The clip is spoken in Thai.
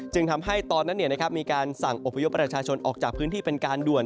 ถึงที่มีการสั่งอพยุทธ์ประชาชนออกจากพื้นที่เป็นการด้วย